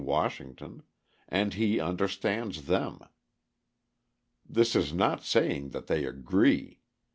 Washington, and he understands them. This is not saying that they agree.